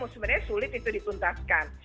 sebenarnya sulit itu dituntaskan